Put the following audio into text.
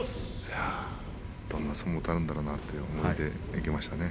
どんな相撲を取るんだろうかという思いでいきました。